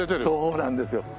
そうなんですよ。